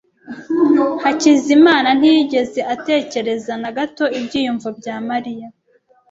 Hakizimana ntiyigeze atekereza na gato ibyiyumvo bya Mariya.